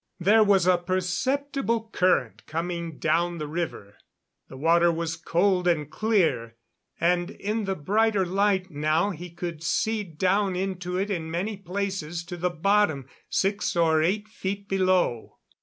There was a perceptible current coming down the river. The water was cold and clear, and in the brighter light now he could see down into it in many places to the bottom, six or eight feet below.